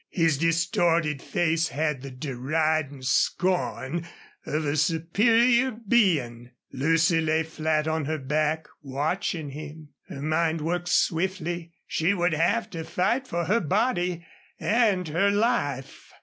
His distorted face had the deriding scorn of a superior being. Lucy lay flat on her back, watching him. Her mind worked swiftly. She would have to fight for her body and her life.